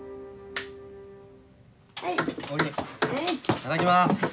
いただきます。